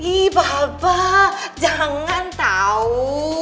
ih papa jangan tau